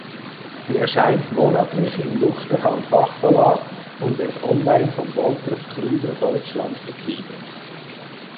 Sie erscheint monatlich im Luchterhand Fachverlag und wird online von Wolters Kluwer Deutschland vertrieben.